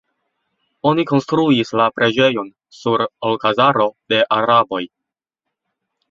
Oni konstruis la preĝejon sur alkazaro de araboj.